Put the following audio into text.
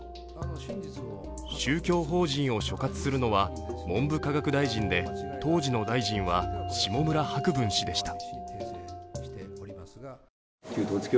宗教法人を所轄するのは文部科学大臣で当時の大臣は下村博文氏でした。